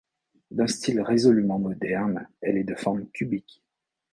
D’un style résolument moderne, elle est de forme cubique.